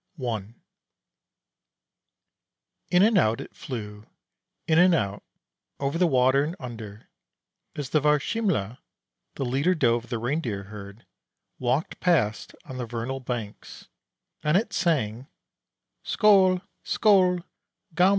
I In and out it flew, in and out, over the water and under, as the Varsimle', the leader doe of the Reindeer herd, walked past on the vernal banks, and it sang: "Skoal! Skoal!